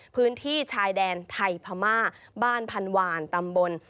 พื้นที่ชายแดนไทยพม่าบ้านพันหวานตำบล